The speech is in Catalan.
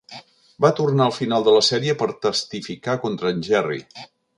Va tornar al final de la sèrie per testifica contra en Jerry.